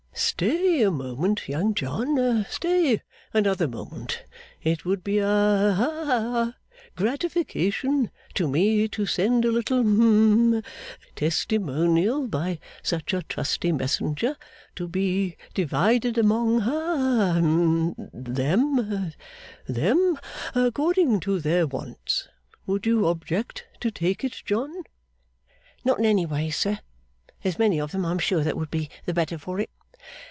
'Stay a moment, Young John; stay another moment. It would be a ha a gratification to me to send a little hum Testimonial, by such a trusty messenger, to be divided among ha hum them them according to their wants. Would you object to take it, John?' 'Not in any ways, sir. There's many of them, I'm sure, that would be the better for it.